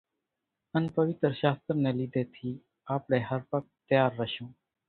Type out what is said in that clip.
ان پويتر شاستر ني لِيڌي ٿي آپڙي ھر وقت تيار رشون